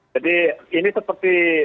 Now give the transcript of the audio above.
jadi ini seperti